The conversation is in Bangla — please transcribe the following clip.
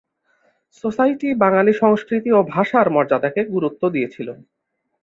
সোসাইটি বাঙালি সংস্কৃতি ও ভাষার মর্যাদাকে গুরুত্ব দিয়েছিল।